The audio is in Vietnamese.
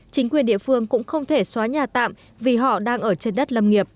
chính quyền địa phương cũng không thể xóa nhà tạm vì họ đang ở trên đất lâm nghiệp